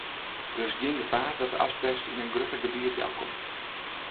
Der is gjin gefaar dat de asbest yn in grutter gebiet delkomt.